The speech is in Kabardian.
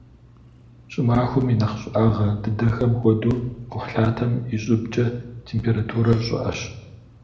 ЩӀымахуэм и нэхъ щӀыӀэгъэ дыдэхэм хуэдэу кхъухьлъатэм и щӀыбкӀэ температурэр щӀыӀэщ.